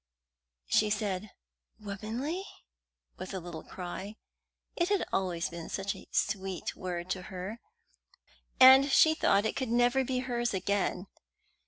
She said "Womanly?" with a little cry. It had always been such a sweet word to her, and she thought it could never be hers again!